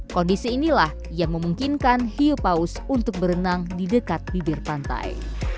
kondisi inilah yang memungkinkan hiu paus untuk berenang di dekat bibir pantai